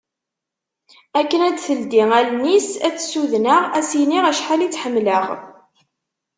Akken ad d-teldi allen-is ad tt-ssudneɣ ad s-iniɣ acḥal i tt-ḥemmleɣ.